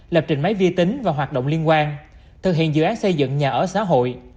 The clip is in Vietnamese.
lập trình máy vi tính và hoạt động liên quan thực hiện dự án xây dựng nhà ở xã hội